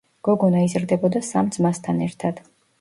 გოგონა იზრდებოდა სამ ძმასთან ერთად.